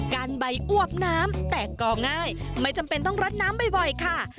กันใบอวบน้ำแต่ก็ง่ายไม่จำเป็นต้องรัดน้ำบ่อยค่ะ